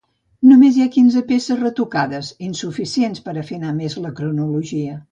Només hi ha quinze peces retocades, insuficients per afinar més la cronologia.